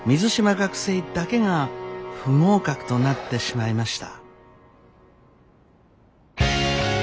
学生だけが不合格となってしまいました。